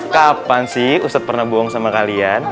kapan sih ustadz pernah bohong sama kalian